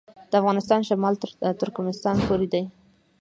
د افغانستان شمال ته ترکمنستان پروت دی